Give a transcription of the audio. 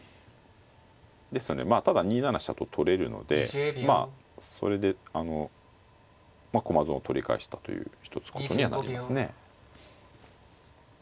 ですのでまあただ２七飛車と取れるのでまあそれで駒損を取り返したということにはなりますね。